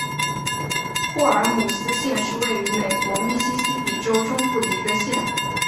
霍尔姆斯县是位于美国密西西比州中部的一个县。